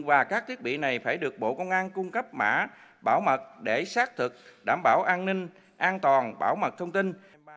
và các thiết bị này phải được bộ công an cung cấp mã bảo mật để xác thực đảm bảo an ninh an toàn bảo mật thông tin